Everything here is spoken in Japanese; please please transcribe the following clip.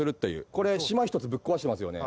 これ島一つぶっ壊してますよね。